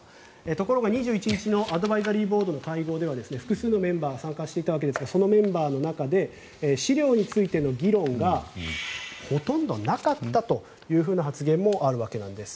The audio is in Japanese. ところが２１日のアドバイザリーボードの会合では複数のメンバーが参加していたわけですがそのメンバーの中で資料においての議論がほとんどなかったという発言もあるわけです。